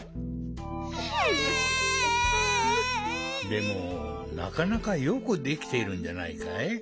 でもなかなかよくできているんじゃないかい？